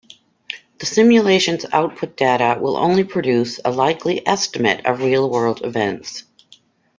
The simulation's output data will only produce a likely "estimate" of real-world events.